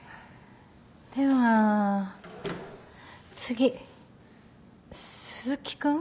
では次鈴木君？